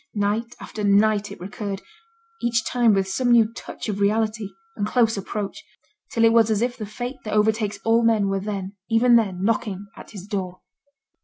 Night after night it recurred; each time with some new touch of reality, and close approach; till it was as if the fate that overtakes all men were then, even then, knocking at his door.